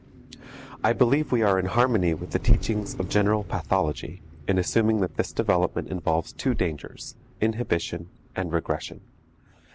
I believe we are in harmony with the teachings of general pathology in assuming that this development involves two dangers, inhibition and regression.